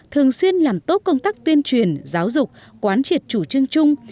thường xuyên làm tốt công tác tuyên truyền giáo dục quán triệt chủ trương chung